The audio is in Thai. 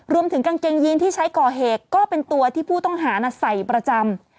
รวมถึงกางเกงยินท์ที่ใช้ก่อเหกก็เป็นตัวที่ผู้ต้องหานักใสประจำ